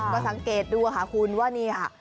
ก็สังเกตดูค่ะคุณว่านี่ค่ะ